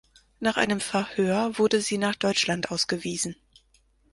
Nach einem Verhör wurde sie nach Deutschland ausgewiesen.